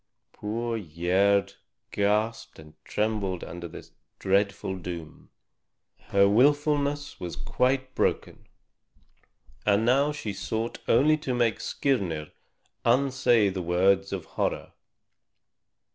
Poor Gerd gasped and trembled under this dreadful doom. Her willfulness was quite broken, and now she sought only to make Skirnir unsay the words of horror.